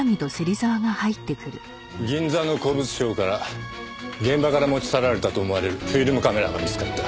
銀座の古物商から現場から持ち去られたと思われるフィルムカメラが見つかった。